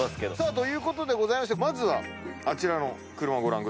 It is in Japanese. ということでございましてまずはあちらの車ご覧ください。